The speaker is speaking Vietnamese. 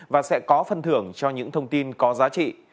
và sẽ có phân thưởng cho những thông tin có giá trị